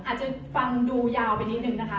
อาจจะฟังดูยาวไปนิดนึงนะคะ